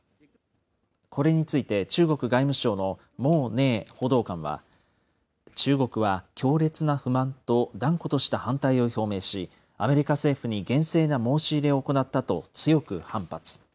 これについて中国外務省の毛寧報道官は、中国は強烈な不満と断固とした反対を表明し、アメリカ政府に厳正な申し入れを行ったと強く反発。